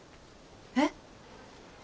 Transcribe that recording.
えっ？